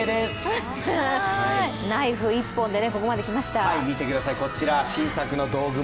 ナイフ１本でここまで来ました。